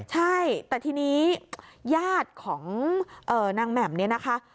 ใช่แต่ทีนี้ญาติของนางแหม่มเนี่ยนะคะ